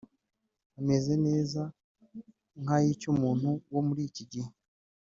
ameze neza nk’ay’icy’umuntu wo muri iki gihe